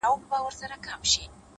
بس ده ژړا مه كوه مړ به مي كړې؛